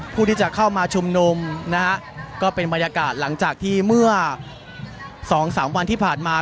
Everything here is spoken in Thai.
ผู้ที่จะเข้ามาชุมนุมนะฮะก็เป็นบรรยากาศหลังจากที่เมื่อสองสามวันที่ผ่านมา